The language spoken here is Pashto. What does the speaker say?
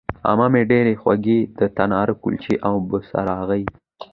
عمه مې ډېرې خوږې د تناره کلچې او بوسراغې